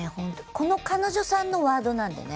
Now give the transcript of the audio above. この彼女さんのワードなんでね。